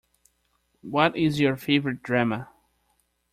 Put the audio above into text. What is your favorite drama?